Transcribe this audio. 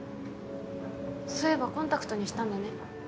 そういえばコンタクトにしたんだね。